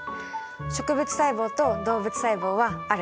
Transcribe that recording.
植物細胞と動物細胞はある。